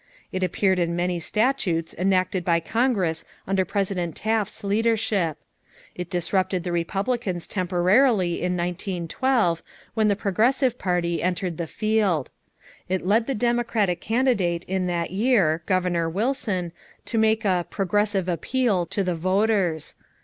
It appeared in many statutes enacted by Congress under President Taft's leadership. It disrupted the Republicans temporarily in 1912 when the Progressive party entered the field. It led the Democratic candidate in that year, Governor Wilson, to make a "progressive appeal" to the voters.